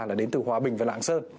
là đến từ hòa bình và lạng sơn